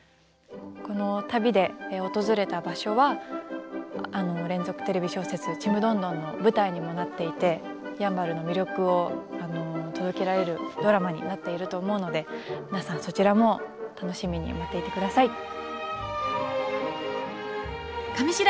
この旅で訪れた場所は連続テレビ小説「ちむどんどん」の舞台にもなっていてやんばるの魅力を届けられるドラマになっていると思うので皆さんそちらも楽しみに待っていてください。